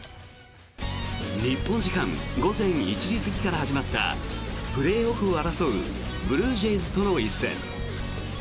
日本時間午前１時過ぎから始まったプレーオフを争うブルージェイズとの一戦。